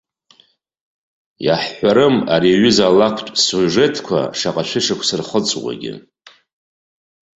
Иаҳҳәарым ари аҩыза алакәтә сиужетқәа шаҟа шәышықәса рхыҵуагьы.